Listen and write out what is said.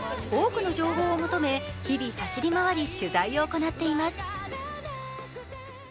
多くの情報を集め、日々、走り回り、取材を行っています。